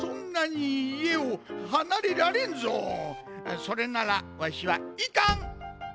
それならわしはいかん！